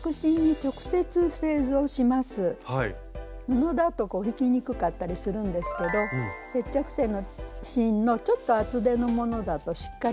布だと引きにくかったりするんですけど接着芯のちょっと厚手のものだとしっかりしてるので描きやすいです。